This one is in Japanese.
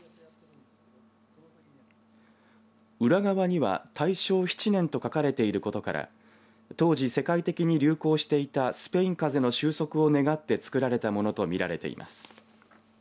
裏側には大正７年と書かれていることから当時、世界的に流行していたスペインかぜの収束を願って作られたものとみられています。